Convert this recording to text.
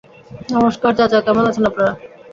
নমষ্কার চাচা, কেমন আছেন আপনারা?